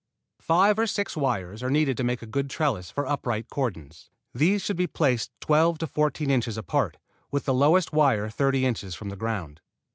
Five or six wires are needed to make a good trellis for upright cordons. These should be placed twelve to fourteen inches apart, with the lowest wire thirty inches from the ground.